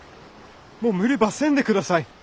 もう無理ばせんで下さい！